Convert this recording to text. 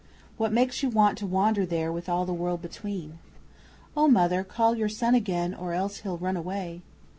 What makes you want to wander there with all the world between? Oh, Mother, call your son again or else he'll run away.